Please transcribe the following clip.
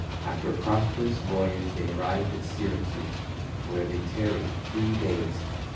After a prosperous voyage they arrived at Syracuse, where they tarried three days.